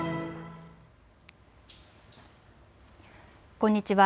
こんにちは。